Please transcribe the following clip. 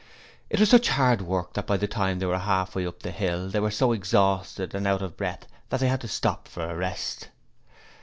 It was such hard work that by the time they were half way up the hill they were so exhausted and out of breath that they had to stop for a rest.